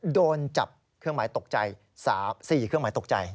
โดนจับเครื่องหมายตกใจ๔เครื่องหมายตกใจ